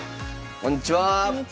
こんにちは。